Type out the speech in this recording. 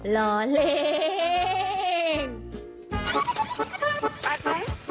ล้อเล่น